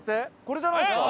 これじゃないですか？